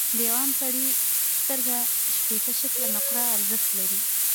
د یوه عام سړي سترګه شپیته شِکِل نقره ارزښت لري.